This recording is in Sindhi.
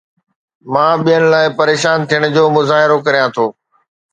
مان ٻين لاءِ پريشان ٿيڻ جو مظاهرو ڪريان ٿو